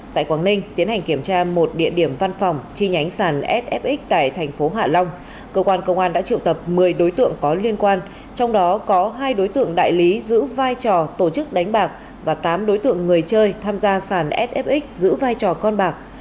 tại quảng ninh tiến hành kiểm tra một địa điểm văn phòng chi nhánh sàn sf tại thành phố hạ long cơ quan công an đã triệu tập một mươi đối tượng có liên quan trong đó có hai đối tượng đại lý giữ vai trò tổ chức đánh bạc và tám đối tượng người chơi tham gia sàn sf giữ vai trò con bạc